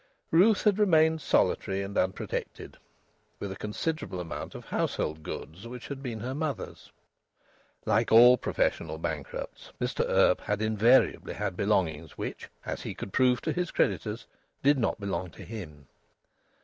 Ruth had remained solitary and unprotected, with a considerable amount of household goods which had been her mother's. (Like all professional bankrupts, Mr Earp had invariably had belongings which, as he could prove to his creditors, did not belong to him.)